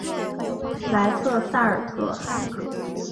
莱瑟萨尔特。